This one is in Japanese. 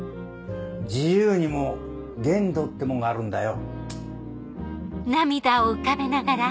自由にも限度ってもんがあるんだよ。